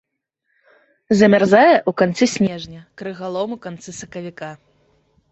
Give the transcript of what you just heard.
Замярзае ў канцы снежня, крыгалом у канцы сакавіка.